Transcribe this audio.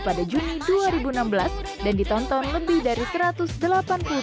perusahaan yang menjelaskan tentang tarian yang menjadi viral di youtube